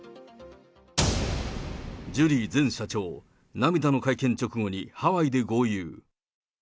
ジュリー前社長、涙の会見直後にハワイで豪遊。